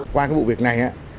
qua cái vụ việc này á